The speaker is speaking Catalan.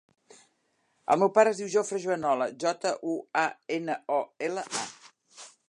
El meu pare es diu Jofre Juanola: jota, u, a, ena, o, ela, a.